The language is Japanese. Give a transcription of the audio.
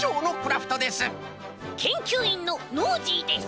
けんきゅういんのノージーです。